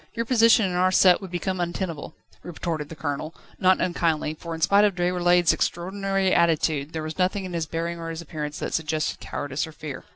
Your position in our set would become untenable," retorted the Colonel, not unkindly, for in spite of Déroulède's extraordinary attitude, there was nothing in his bearing or his appearance that suggested cowardice or fear.